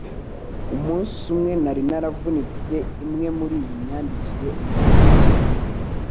umunsi umwe nari naravunitse imwe muriyi myandikire ubwanjye